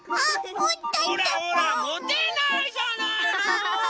ほらほらもてないじゃないの。